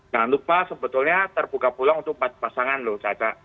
jangan lupa sebetulnya terbuka pulang untuk empat pasangan loh caca